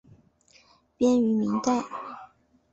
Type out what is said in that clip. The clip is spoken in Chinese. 编于明代。